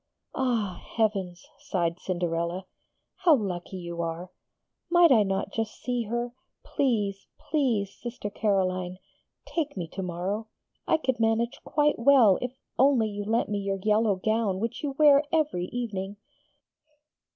'Ah, heavens!' sighed Cinderella, how lucky you are! Might I not just see her? Please, please, Sister Caroline, take me to morrow I could manage quite well if only you lent me your yellow gown which you wear every evening!'